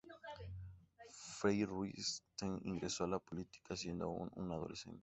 Frei Ruiz-Tagle ingresó a la política siendo aún un adolescente.